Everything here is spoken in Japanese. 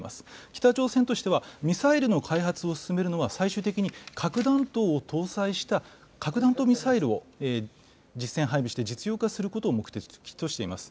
北朝鮮としてはミサイルの開発を進めるのは、最終的に核弾頭を搭載した核弾頭ミサイルを実戦配備して、実用化することを目的としています。